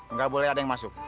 nggak boleh ada yang masuk